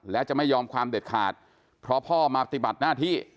และจะไม่ยอมความเด็ดขาดเพราะพ่อมาปฏิบัติหน้าที่